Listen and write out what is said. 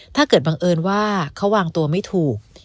ถ้าเกิดบังเอิญว่าเขาวางตัวไม่ถูก